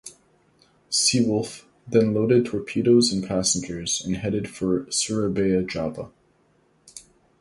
"Seawolf" then loaded torpedoes and passengers, and headed for Surabaya, Java.